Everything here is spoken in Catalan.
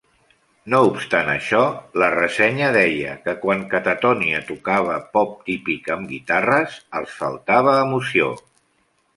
No obstant això, la ressenya deia que, quan Catatonia tocava "pop típic amb guitarres", els faltava emoció.